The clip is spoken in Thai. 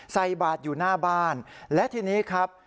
ใส่บาทอยู่หน้าบ้านและทีนี้ครับ